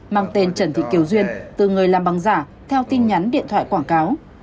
mang tên trần thị kiều duyên từ người làm băng giả theo tin nhắn điện thoại quảng cáo